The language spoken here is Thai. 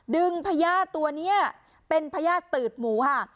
พญาติตัวนี้เป็นพญาติตืดหมูค่ะ